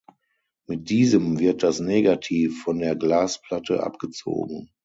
Mit diesem wird das Negativ von der Glasplatte abgezogen.